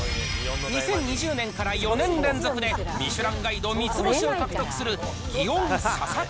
２０２０年から４年連続でミシュランガイド３つ星を獲得する祇園さゝ